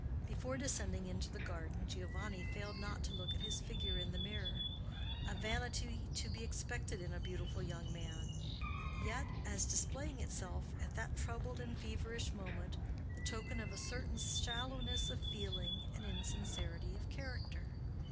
Before descending into the garden, Giovanni failed not to look at his figure in the mirror,—a vanity to be expected in a beautiful young man, yet, as displaying itself at that troubled and feverish moment, the token of a certain shallowness of feeling and insincerity of character.